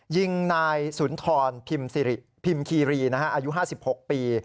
ยิงนายสุนทรพิมคีรีอายุ๕๖ปี